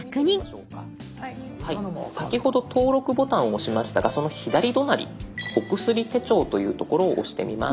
先ほど登録ボタンを押しましたがその左隣「お薬手帳」という所を押してみます。